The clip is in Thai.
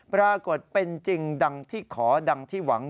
ปรากฏเป็นจริงดังที่ขอดังที่หวัง